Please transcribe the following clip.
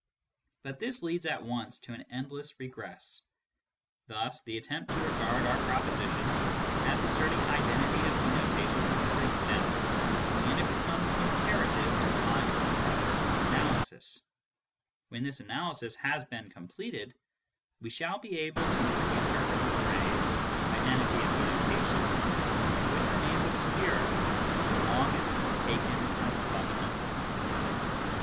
But this leads at once to an endless regress. Thus the attempt to regard our proposition as asserting identity of denotation breaks down, and it becomes imperative to find some other analysis. When this analysis has been 228 MYSTICISM AND LOGIC completed, we shall be able to reinterpret the phrase " identity of denotation," which remains obscure so long as it is taken as fundamental.